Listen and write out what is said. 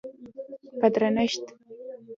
په درنښت